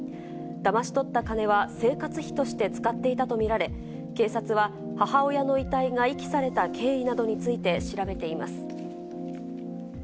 だまし取った金は生活費として使っていたと見られ、警察は、母親の遺体が遺棄された経緯などについて調べています。